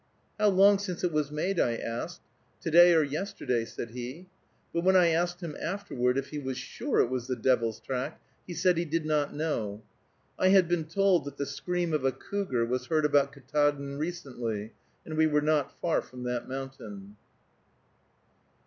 "How long since it was made?" I asked. "To day or yesterday," said he. But when I asked him afterward if he was sure it was the devil's track, he said he did not know. I had been told that the scream of a cougar was heard about Ktaadn recently, and we were not far from that mountain.